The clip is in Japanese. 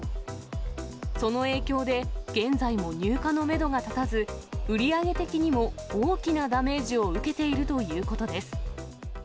その影響で、現在も入荷のメドが立たず、売り上げ的にも、大きなダメージを受けているということです。